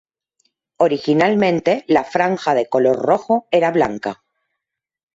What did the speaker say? Originalmente la franja de color rojo era blanca.